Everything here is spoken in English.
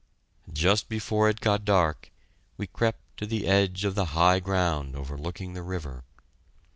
Just before it got dark we crept to the edge of the high ground overlooking the river.